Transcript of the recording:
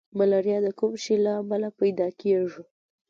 ملاریا د کوم شي له امله پیدا کیږي